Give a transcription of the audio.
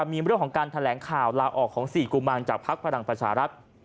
มีเรื่องของการแถลงข่าวลาออกของ๔กุมารจากภักดิ์พลังประชารัฐ